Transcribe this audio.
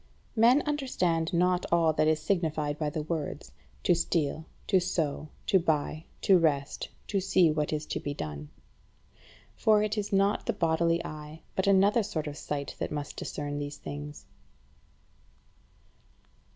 15. Men understand not all that is signified by the words to steal, to sow, to buy, to rest, to see what is to be done. For it is not the bodily eye but another sort of sight that must discern these things.